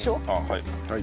はい。